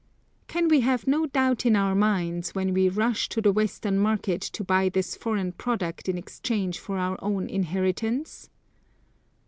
Can we have no doubt in our minds, when we rush to the Western market to buy this foreign product in exchange for our own inheritance?